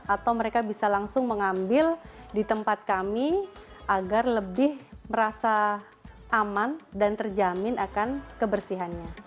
atau mereka bisa langsung mengambil di tempat kami agar lebih merasa aman dan terjamin akan kebersihannya